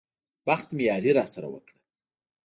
بخت مې ياري راسره وکړه.